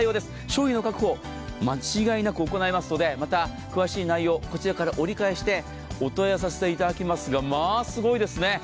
商品の確保、間違いなく行いますので詳しい内容をこちらから折り返してお問い合わせさせていただきますが、まあ、すごいですね。